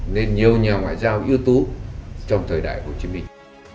nên nhiều nhà ngoại giao ưu tú trong thời đại hồ chí minh